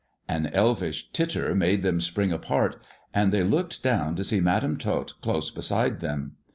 An elfish titter made them spring apart, and they looked down to see Madam Tot close beside them.